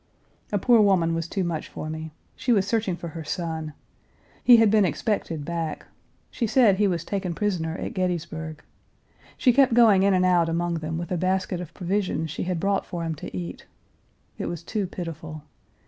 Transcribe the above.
A poor woman was too much for me. She was searching for her son. He had been expected back. She said he was taken prisoner at Gettysburg. She kept going in and out among them with a basket of provisions she had brought for him to eat. It was too pitiful.